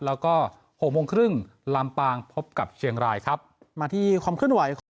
แล้วก็๖โมงครึ่งลำปางพบกับเชียงรายครับมาที่ความขึ้นไหว